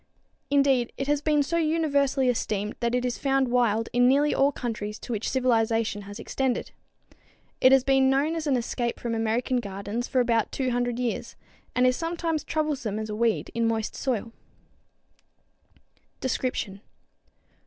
Indeed, it has been so universally esteemed that it is found wild in nearly all countries to which civilization has extended. It has been known as an escape from American gardens for about 200 years, and is sometimes troublesome as a weed in moist soil. [Illustration: Mint, Best Friend of Roast Lamb] _Description.